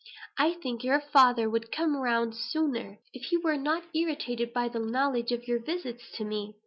I think your father would come round sooner, if he were not irritated every day by the knowledge of your visits to me.